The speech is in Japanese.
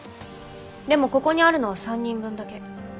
でもここにあるのは３人分だけ。